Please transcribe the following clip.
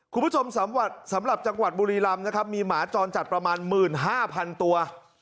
คุณผู้ชมสำหรับจังหวัดบุรีรำนะครับมีหมาจรจัดประมาณ๑๕๐๐๐ตัว